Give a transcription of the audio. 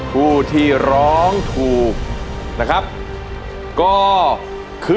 ผู้ที่ร้องถูกนะครับก็คือ